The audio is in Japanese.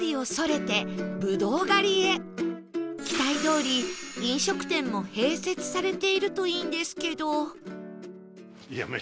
期待どおり飲食店も併設されているといいんですけど